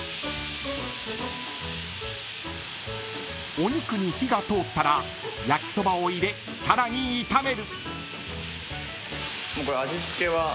［お肉に火が通ったら焼きそばを入れさらに炒める］